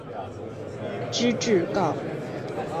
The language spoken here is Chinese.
知制诰。